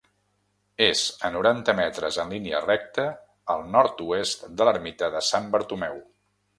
És a noranta metres en línia recta al nord-oest de l'ermita de Sant Bartomeu.